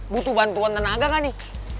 butuh bantuan tenaga gak nih